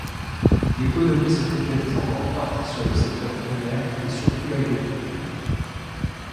L'économie se focalise en grande partie sur le secteur primaire et surtout l'agriculture.